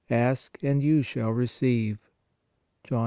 ... Ask and you shall receive" (John 16.